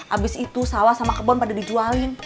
abis itu sawah sama kebun pada dijualin